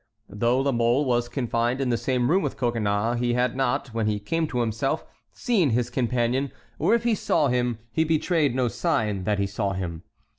Though La Mole was confined in the same room with Coconnas, he had not, when he came to himself, seen his companion, or if he saw him, he betrayed no sign that he saw him.